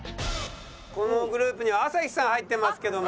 このグループには朝日さん入ってますけども。